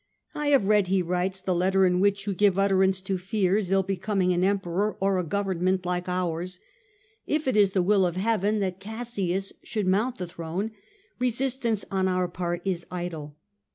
^ I have read,^ he writes, * the letter in which you give utterance to fears ill becoming an Emperor or a government like ours. If it is the will of heaven that Cassius should mount the throne, resistance on our part is idle.